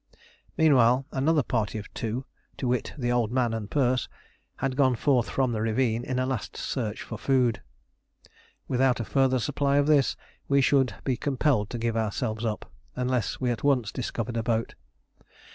Meanwhile another party of two to wit, the Old Man and Perce had gone forth from the ravine in a last search for food. Without a further supply of this we should be compelled to give ourselves up unless we at once discovered a boat.